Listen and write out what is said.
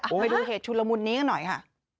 ไปดูเหตุชุนละมุนนี้กันหน่อยค่ะ